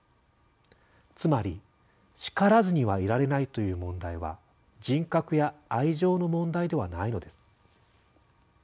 つまり「叱らずにはいられない」という問題は人格や愛情の問題ではないのです。